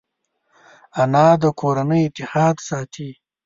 انا د کورنۍ اتحاد ساتي